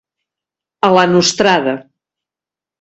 A la nostrada.